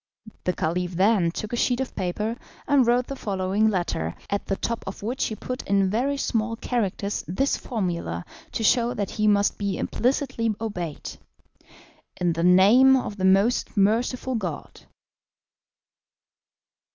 The Caliph then took a sheet of paper, and wrote the following letter, at the top of which he put in very small characters this formula to show that he must be implicitly obeyed: "In the name of the Most Merciful God.